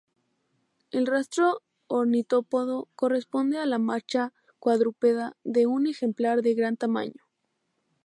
El rastro ornitópodo corresponde a la marcha cuadrúpeda de un ejemplar de gran tamaño.